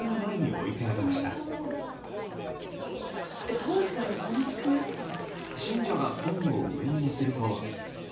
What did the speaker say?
当時からこの仕組みあったんだ。